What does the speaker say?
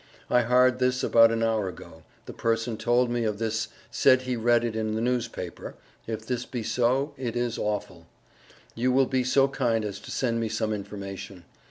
I hard this about an hour ago. the Person told me of this said he read it in the newspaper, if this be so it is awfull. You will be so kind as to send me some information.